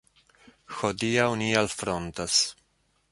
Hodiaŭ ni alfrontas.